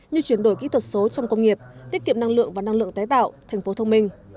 như chuyển đổi kỹ thuật số trong công nghiệp tiết kiệm năng lượng và năng lượng tái tạo thành phố thông minh